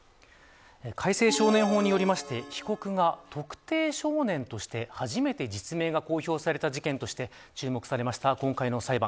改正少年法によりまして被告が特定少年として初めて実名が公表された事件として注目された今回の裁判。